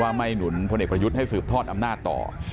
ไม่หนุนพลเอกประยุทธ์ให้สืบทอดอำนาจต่อ